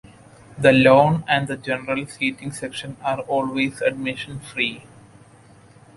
The lawn and the general seating section are always admission free.